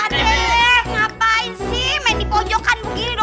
ngapain sih main di pojokan begini